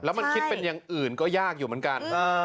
แล้วมันคิดเป็นอย่างอื่นก็ยากอยู่เหมือนกัน